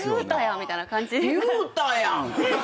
言うたやん！